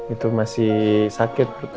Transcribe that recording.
itu masih sakit